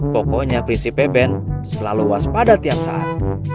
pokoknya prinsip beben selalu waspada tiap saat